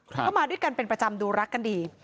เขามาด้วยกันเป็นประจำดูรักกันดี